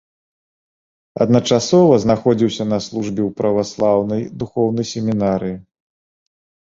Адначасова знаходзіўся на службе ў праваслаўнай духоўнай семінарыі.